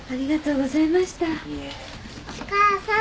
お母さん。